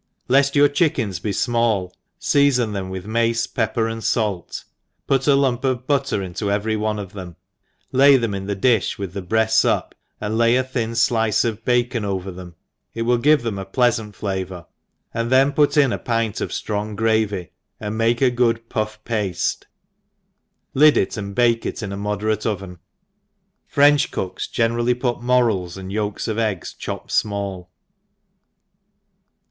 LET your phickens he fmall, feafon them with mace, pepper, and fait, put a lump of but ter into every one of them, lay them in the difji wirh the breafts up, and lay a thin flice of bacon over them, it will give them a pleafant flavour, ' then put in a pint of ftrong gravy, and make a good puff pafle, lid it and bake it in a moderate pvcn : French cooks generally put morels and yolks of eggs chopped fmall.